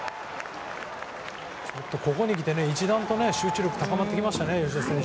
ここにきて一段と集中力が高まってきましたね。